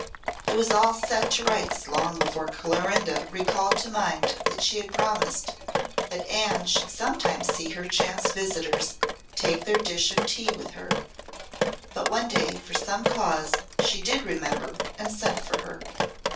It was all set to rights long before Clorinda recalled to mind that she had promised that Anne should sometime see her chance visitors take their dish of tea with her. But one day, for some cause, she did remember, and sent for her.